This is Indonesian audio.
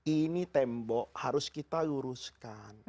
ini tembok harus kita luruskan